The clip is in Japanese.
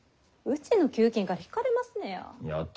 うちの給金から引かれますねや。